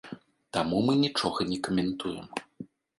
Таму мы нічога не каментуем.